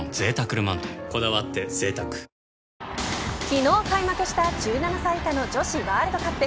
昨日開幕した１７歳以下の女子ワールドカップ。